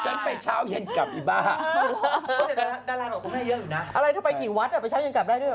ชั้นไปทำบุญเขาคงวิ่งตามอ่ะเปล่าลิคขายของไงหอหรอ